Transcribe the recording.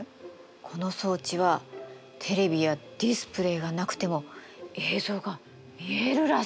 この装置はテレビやディスプレイがなくても映像が見えるらしいのよ。